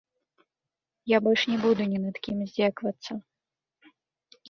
Я больш не буду ні над кім здзекавацца.